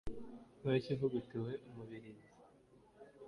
boshye ivugutiwe umubirizi.